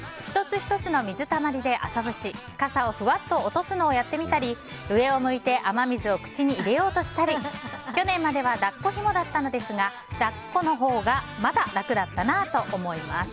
１つ１つの水たまりで遊ぶし傘をふわっと落とすのをやってみたり上を向いて雨水を口に入れようとしたり去年までは抱っこひもだったのですが抱っこのほうがまだ楽だったなと思います。